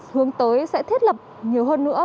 hướng tới sẽ thiết lập nhiều hơn nữa